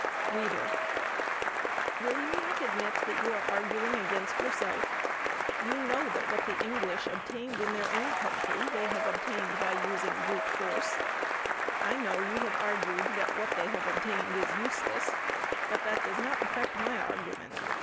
READER: Will you not admit that you are arguing against yourself? You know that what the English obtained in their own country they have obtained by using brute force. I know you have argued that what they have obtained is useless, but that does not affect my argument.